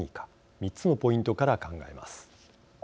３つのポイントから考えます。